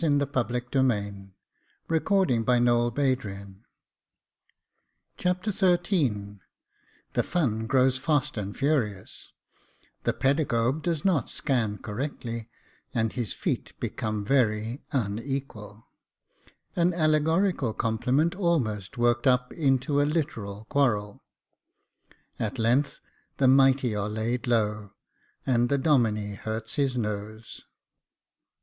Now for chorus —•' Come, let us dance and sing." Chapter XIII The " fun grows fast and ftirious "— The Pedagogue does not scan correctly, and his feet become very unequal — An allegorical compliment almost worked up into a literal quarrel — At length, the mighty are laid low, and the Domine hurts his nose.